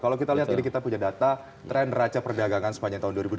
kalau kita lihat ini kita punya data tren raca perdagangan sepanjang tahun dua ribu dua puluh